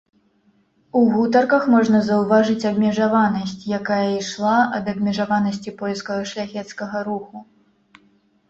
У гутарках можна заўважыць абмежаванасць, якая ішла ад абмежаванасці польскага шляхецкага руху.